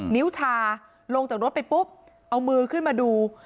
นิ้วชาลงจากรถไปปุ๊บเอามือขึ้นมาดู